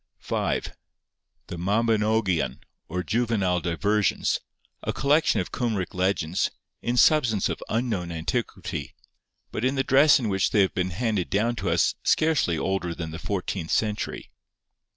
5. The Mabinogion, or Juvenile Diversions, a collection of Cumric legends, in substance of unknown antiquity, but in the dress in which they have been handed down to us scarcely older than the fourteenth century.